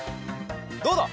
どうだ！？